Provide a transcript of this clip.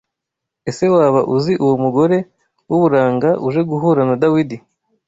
ESE waba uzi uwo mugore w’uburanga uje guhura na Dawidi